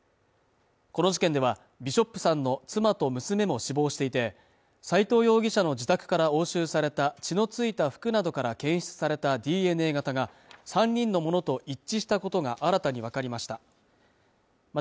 この事件ではビショップさんの妻と娘も死亡していて斉藤容疑者の自宅から押収された血のついた服などから検出されたＤＮＡ型が３人のものと一致したことが新たに分かりました